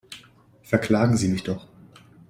Verklagen Sie mich doch!